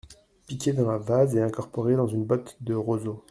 Piqué dans la vase et incorporé dans une botte de roseaux.